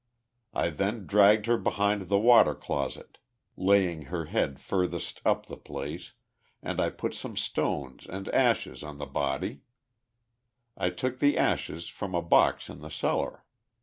I then dragged her behind the water closet, laying her head furthest up the place, and I put some stones and ashes oil the bod} T . I took the ashes from a box in the cellar.